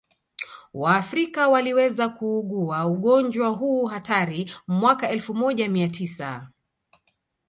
waafrika waliweza kuugua ugonjwa huu hatari mwaka elfu moja mia tisa